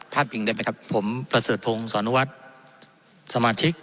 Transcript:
ภาพพิงได้ไหมครับผมพระเศรษฐพงษ์สวรรค์สมาชิก